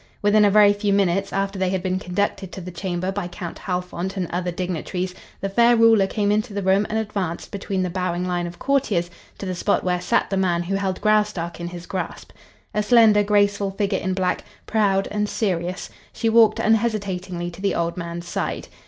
Within a very few minutes after they had been conducted to the chamber by Count Halfont and other dignitaries, the fair ruler came into the room and advanced between the bowing lines of courtiers to the spot where sat the man who held Graustark in his grasp. A slender, graceful figure in black, proud and serious, she walked unhesitatingly to the old man's side.